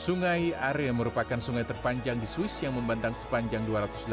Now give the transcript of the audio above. sungai area merupakan sungai terpanjang di swiss yang membantang sepanjang dua ratus delapan puluh